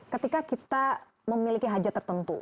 ketika kita memiliki hajat tertentu